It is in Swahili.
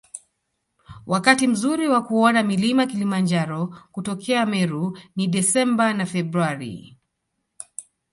Wakati mzuri wa kuona mlima Kilimanjaro kutokea Meru ni Desemba na Februari